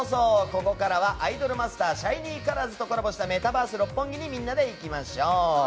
ここからは「アイドルマスターシャイニーカラーズ」とコラボしたメタバース六本木にみんなで行きましょう。